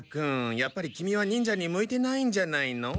やっぱりキミは忍者に向いてないんじゃないの？